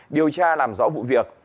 điều tra làm rõ vụ việc